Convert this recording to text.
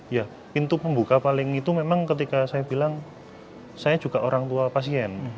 ya pintu pembuka paling itu memang ketika saya bilang saya juga orang tua pasien